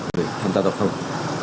để người ta học thông